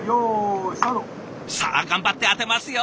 さあ頑張って当てますよ！